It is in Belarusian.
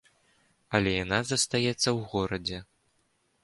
Але яна застаецца ў горадзе.